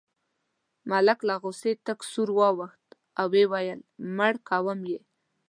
ملک له غوسې تک سور واوښت او وویل مړ کوم یې.